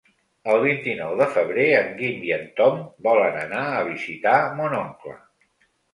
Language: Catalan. El vint-i-nou de febrer en Guim i en Tom volen anar a visitar mon oncle.